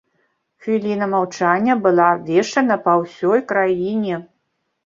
Хвіліна маўчання была абвешчана па ўсёй краіне.